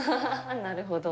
なるほど。